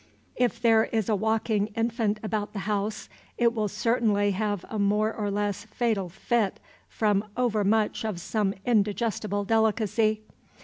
If there is a walking infant about the house, it will certainly have a more or less fatal fit from overmuch of some indigestible delicacy.